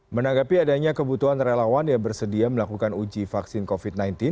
menanggapi adanya kebutuhan relawan yang bersedia melakukan uji vaksin covid sembilan belas